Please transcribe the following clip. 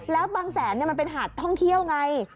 แล้วบางแสนมันเป็นหาดท่องเที่ยวไง